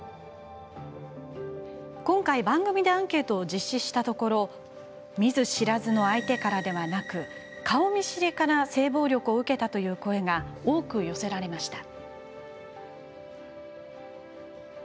今回、番組でアンケートを実施したところ見ず知らずの相手からでなく顔見知りから性暴力を受けたという声が多く寄せられました。